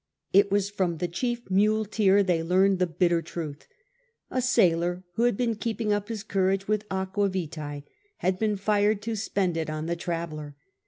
It was from the chief muleteer they learned the bitter truth. A sailor who had been keeping up his courage with aqua mice, had been fired to spend it on the traveller.